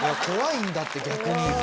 怖いんだって逆に。